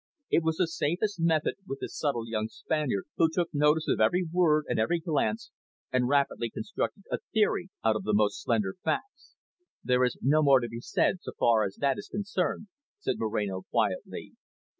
It was the safest method with the subtle young Spaniard, who took notice of every word and every glance, and rapidly constructed a theory out of the most slender facts. "There is no more to be said, so far as that is concerned," said Moreno quietly.